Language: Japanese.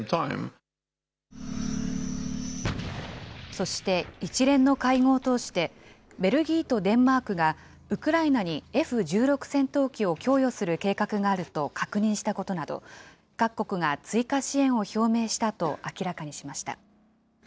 そして、一連の会合を通して、ベルギーとデンマークがウクライナにＦ１６戦闘機を供与する計画があると確認したことなど、各国が追加支援を表明したと明らかにしました。